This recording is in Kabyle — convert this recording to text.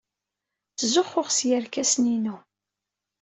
Ttzuxxuɣ s yerkasen-inu.